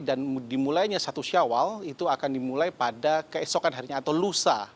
dan dimulainya satu syawal itu akan dimulai pada keesokan harinya atau lusa